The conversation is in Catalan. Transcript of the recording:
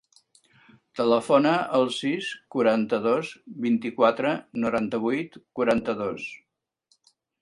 Telefona al sis, quaranta-dos, vint-i-quatre, noranta-vuit, quaranta-dos.